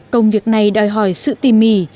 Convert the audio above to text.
công việc này đòi hỏi sự tỉ mỉ